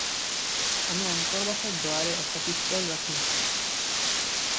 আমি অন্তর্বাসের ড্রয়ারে একটা পিস্তল রাখি।